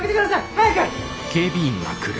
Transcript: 早く！